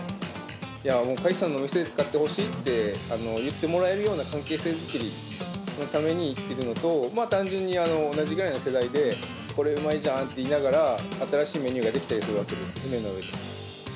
甲斐さんのお店で使ってほしいって言ってもらえるような関係性作りのために行ってるのと、単純に同じぐらいの世代で、これうまいじゃんって言いながら、新しいメニューが出来たりするわけです、船の上で。